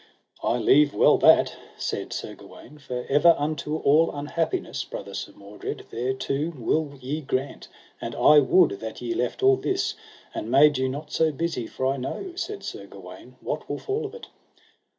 I lieve well that, said Sir Gawaine, for ever unto all unhappiness, brother Sir Mordred, thereto will ye grant; and I would that ye left all this, and made you not so busy, for I know, said Sir Gawaine, what will fall of it.